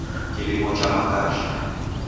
Kilimo cha makajhi